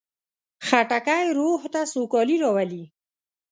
خټکی روح ته سوکالي راولي.